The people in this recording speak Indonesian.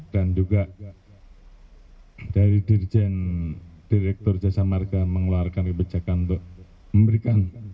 dan juga dari dirjen direktur jasa marga mengeluarkan kebijakan untuk memberikan insentif tambahan